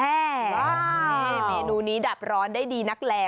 อะเฮ่งินี่เมนูนี้ดับร้อนได้ดีนักแรร์